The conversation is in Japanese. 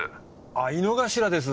あっ井之頭です。